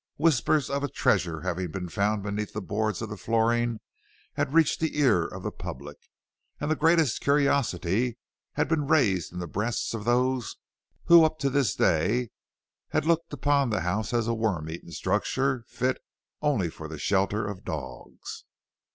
Whispers of a treasure having been found beneath the boards of the flooring had reached the ear of the public, and the greatest curiosity had been raised in the breasts of those who up to this day had looked upon the house as a worm eaten structure fit only for the shelter of dogs.